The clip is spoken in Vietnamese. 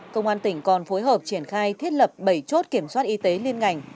công an tỉnh còn phối hợp triển khai thiết lập bảy chốt kiểm soát y tế liên ngành